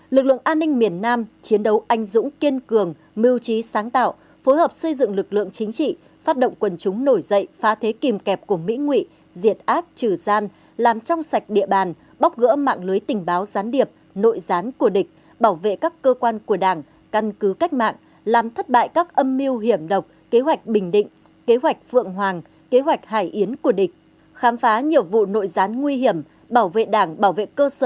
lực lượng an ninh miền nam chiến đấu anh dũng kiên cường mưu trí sáng tạo phối hợp xây dựng lực lượng chính trị phát động quân chúng nổi dậy phá thế kìm kẹp của mỹ ngụy diệt ác trừ gian làm trong sạch địa bàn bóc gỡ mạng lưới tình báo gián điệp nội gián của địch bảo vệ các cơ quan của đảng căn cứ cách mạng làm thất bại các âm mưu hiểm độc kế hoạch bình định kế hoạch phượng hoàng kế hoạch hải yến của địch khám phá nhiều vụ nội gián nguy hiểm bảo vệ đảng bảo v